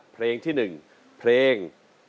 เพลงที่หนึ่งเพลง